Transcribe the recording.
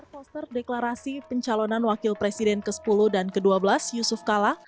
poster deklarasi pencalonan wakil presiden ke sepuluh dan ke dua belas yusuf kala